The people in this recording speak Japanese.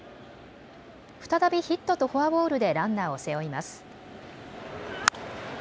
再びヒットとフォアボールでランナーを背負います。